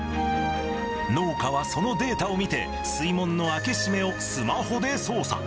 農家はそのデータを見て、水門の開け閉めをスマホで操作。